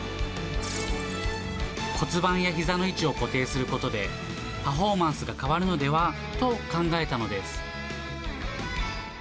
骨盤やひざの位置を固定することで、パフォーマンスが変わるのではと考えたのです。